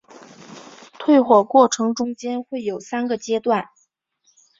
退火过程中间会有三个阶段。